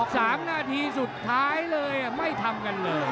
สามนาทีสุดท้ายเลยไม่ทำกันเลย